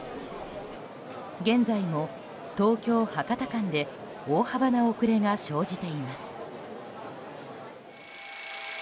現在も東京博多間で大幅な遅れが生じています。